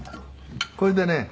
これでね